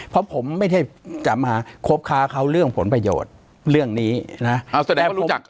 เพราะผมไม่ได้จะมาครบค้าเขาเรื่องผลประโยชน์เรื่องนี้นะเอาแสดงว่ารู้จัก